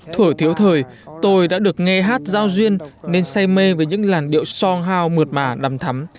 thổi thiếu thời tôi đã được nghe hát giao duyên nên say mê với những làn điệu song hao mượt mà đầm thắm